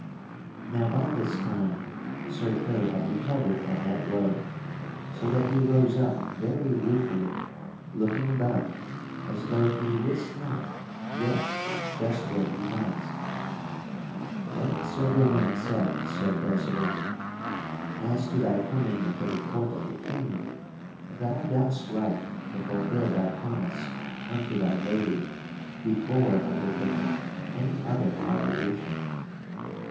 Now by this time Sir Kay had recovered from that blow, so that he rose up very ruefully, looking about as though he wist not yet just where he was. [Sidenote: Sir Percival will not return to court] Then Sir Gawaine said to Sir Percival: "As to thy coming unto the court of the King, thou dost right to fulfil thy promise unto thy lady before undertaking any other obligation.